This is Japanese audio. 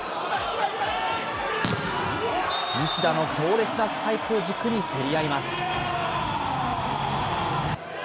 西田の強烈なスパイクを軸に競り合います。